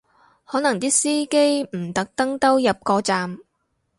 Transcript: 可能啲司機唔特登兜入個站